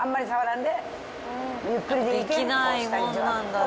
できないもんなんだな。